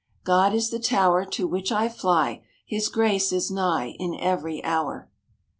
"God is the tower To which I fly His grace is nigh In every hour."